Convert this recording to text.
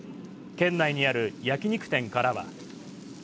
県内にある焼き肉店からは。